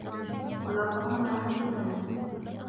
وَلَا صَبْرٌ عَلَى الْإِدْلَالِ